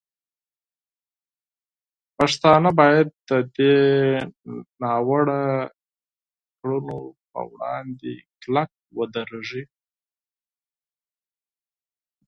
پښتانه باید د دې ناوړه کړنو په وړاندې کلک ودرېږي.